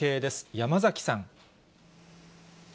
山崎さん。